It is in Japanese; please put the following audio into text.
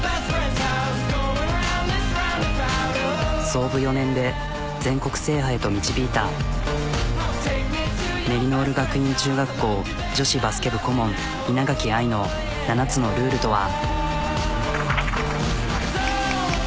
創部４年で全国制覇へと導いたメリノール学院中学校女子バスケ部顧問稲垣愛の７つのルールとは？